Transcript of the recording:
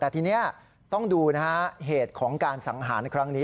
แต่ทีนี้ต้องดูนะฮะเหตุของการสังหารครั้งนี้